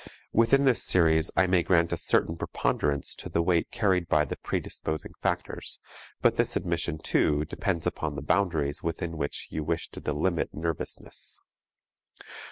Within this series I may grant a certain preponderance to the weight carried by the predisposing factors, but this admission, too, depends upon the boundaries within which you wish to delimit nervousness.